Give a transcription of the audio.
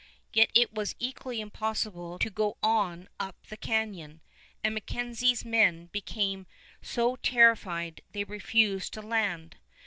Yet it was equally impossible to go on up the canyon, and MacKenzie's men became so terrified they refused to land.